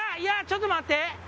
ちょっと待って！